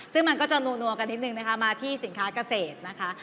ซึ่งมันก็จะนัวกันนิดนึงนะคะมาที่สินค้าเกษตรนะคะ